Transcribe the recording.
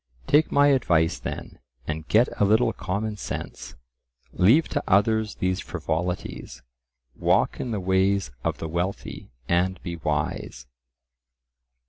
Take my advice, then, and get a little common sense; leave to others these frivolities; walk in the ways of the wealthy and be wise.